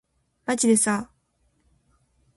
まじでさ